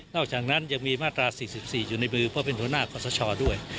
จากนั้นยังมีมาตรา๔๔อยู่ในมือเพราะเป็นหัวหน้าขอสชด้วย